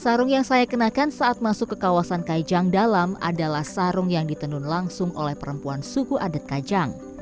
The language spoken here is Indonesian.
sarung yang saya kenakan saat masuk ke kawasan kajang dalam adalah sarung yang ditenun langsung oleh perempuan suku adat kajang